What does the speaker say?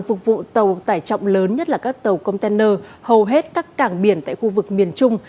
phục vụ tàu tải trọng lớn nhất là các tàu container hầu hết các cảng biển tại khu vực miền trung